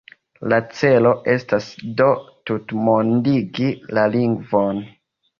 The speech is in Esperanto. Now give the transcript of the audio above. La celo estas do tutmondigi la lingvon.